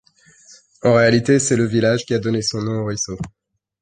En réalité, c’est le village qui a donné son nom au ruisseau.